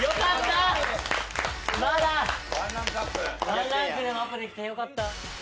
１ランクでもアップできてよかった。